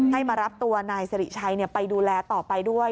ให้มารับตัวนายสิริชัยไปดูแลต่อไปด้วย